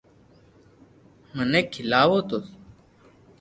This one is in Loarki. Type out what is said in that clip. منو کيلاوُ